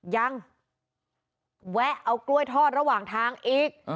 ยังแวะเอากล้วยทอดระหว่างทางอีก